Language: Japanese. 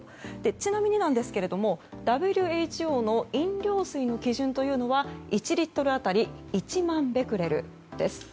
ちなみになんですがＷＨＯの飲料水の基準は１リットル当たり１万ベクレルです。